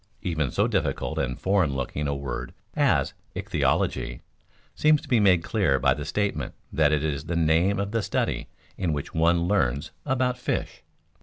Even so difficult and foreign looking a word as ichthyology seems to be made clear by the statement that it is the name of the study in which one learns about fish.